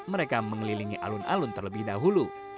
mereka mengelilingi alun alun terlebih dahulu